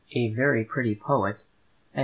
"A very Pretty Poet," and No.